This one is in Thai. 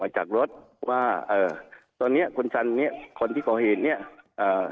จากรถว่าเอ่อตอนเนี้ยคุณสันเนี้ยคนที่ก่อเหตุเนี้ยเอ่อ